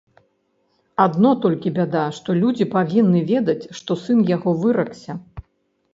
Адно толькі бяда, што людзі павінны ведаць, што сын яго выракся.